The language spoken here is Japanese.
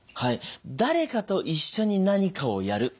誰かと一緒に何かをやる。